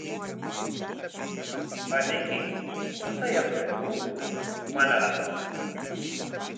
¿Paniyki qusayuqñaku manaraqku?